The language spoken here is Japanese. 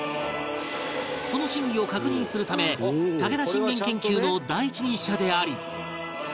その真偽を確認するため武田信玄研究の第一人者であり